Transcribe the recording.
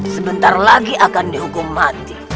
sebentar lagi akan dihukum mati